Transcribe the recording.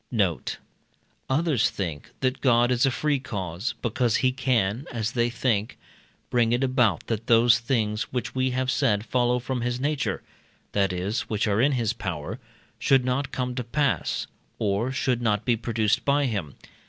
Note. Others think that God is a free cause, because he can, as they think, bring it about, that those things which we have said follow from his nature that is, which are in his power, should not come to pass, or should not be produced by him.